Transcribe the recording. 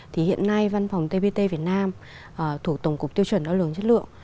thì hiện nay văn phòng tbt việt nam thuộc tổng cục tiêu chuẩn đo lường chất lượng